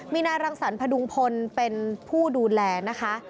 มีนายรังสรรพดุงพลเป็นผู้ดูแลนะคะ